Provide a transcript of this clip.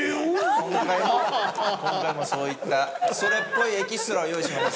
今回もそういったそれっぽいエキストラを用意しました。